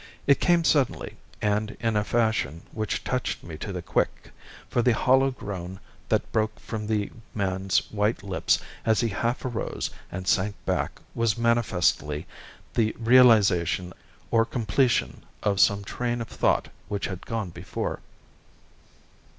It came suddenly, and in a fashion which touched me to the quick, for the hollow groan that broke from the man's white lips as he half arose and sank back was manifestly the realisation or completion of some train of thought which had gone before.